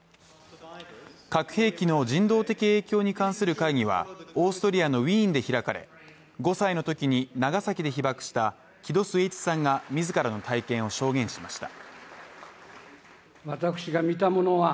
核兵器の人道的影響に関する会議がオーストリアのウィーンで開かれ、５歳の時に長崎で被爆した木戸季市さんが自らの体験を証言しました。